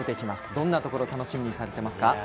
どんなところ楽しみにしてますか。